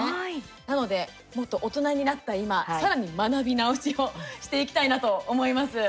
なので、もっと大人になった今さらに学び直しをしていきたいなと思います。